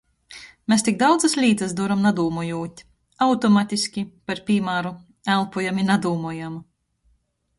Mes tik daudzys lītys doram nadūmojūt. Automatiski. Par pīmāru, elpojam i nadūmojam.